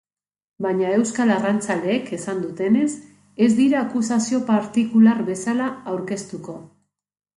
Baina euskal arrantzaleek esan dutenez, ez dira akusazio partikular bezala aurkezteko.